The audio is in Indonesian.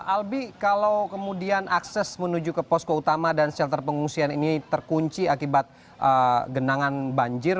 albi kalau kemudian akses menuju ke posko utama dan shelter pengungsian ini terkunci akibat genangan banjir